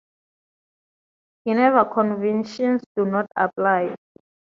Geneva Conventions do not apply.